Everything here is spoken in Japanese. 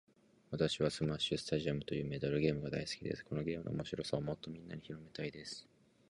私はスマッシュスタジアムというメダルゲームが大好きです。このゲームの面白さをもっとみんなに広めたいです。